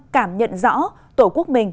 cảm nhận rõ tổ quốc mình